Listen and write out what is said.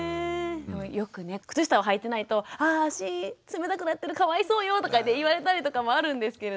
よくね靴下をはいてないと「あ足冷たくなってるかわいそうよ」とか言われたりとかもあるんですけれども。